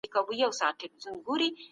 د وطن او ملت د ښيګړو لپاره کلک خيال لرو.